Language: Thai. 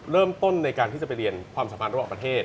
เริ่มต้นในการที่จะไปเรียนความสามารถระบบประเทศ